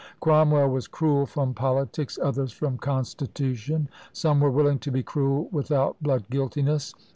Cromwell was cruel from politics, others from constitution. Some were willing to be cruel without "blood guiltiness."